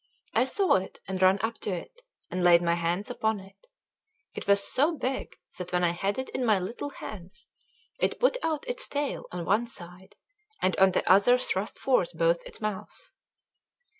I saw it, and ran up to it, and laid my hands upon it. It was so big that when I had it in my little hands, it put out its tail on one side, and on the other thrust forth both its mouths.